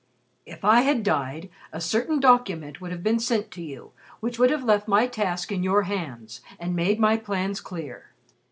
If I had died, a certain document would have been sent to you which would have left my task in your hands and made my plans clear.